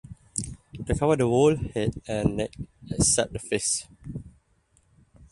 They cover the whole head and neck except the face.